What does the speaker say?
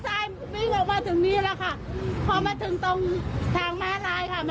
สวยชีวิตทั้งคู่ก็ออกมาไม่ได้อีกเลยครับ